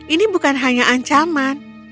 ini bukan hanya ancaman